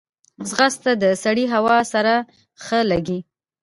ځغاسته د سړې هوا سره ښه لګیږي